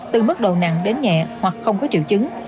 từ mức đầu nặng đến nhẹ hoặc không có triệu chứng